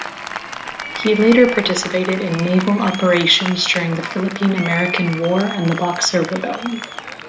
He later participated in naval operations during the Philippine-American War and the Boxer Rebellion.